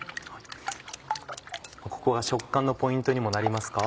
ここが食感のポイントにもなりますか？